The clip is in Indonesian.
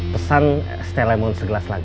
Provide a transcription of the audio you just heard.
pesan setel lemon segelas lagi